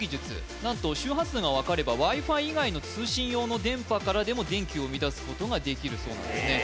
何と周波数が分かればＷｉ−Ｆｉ以外の通信用の電波からでも電気を生み出すことができるそうなんですね